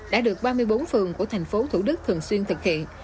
đã được ba mươi bốn phường của tp thủ đức thường xuyên thực hiện